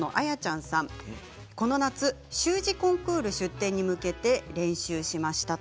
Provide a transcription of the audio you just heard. この夏、習字コンクール出展に向け練習しました。